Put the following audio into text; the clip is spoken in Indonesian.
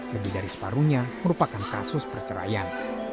lebih dari separuhnya merupakan kasus perceraian